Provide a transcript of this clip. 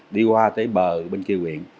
đi qua tới bờ bên kia huyện